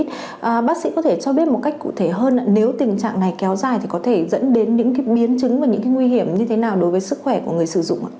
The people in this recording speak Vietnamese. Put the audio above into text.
thì bác sĩ có thể cho biết một cách cụ thể hơn nếu tình trạng này kéo dài thì có thể dẫn đến những cái biến chứng và những cái nguy hiểm như thế nào đối với sức khỏe của người sử dụng ạ